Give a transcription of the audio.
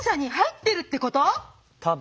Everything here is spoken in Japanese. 多分。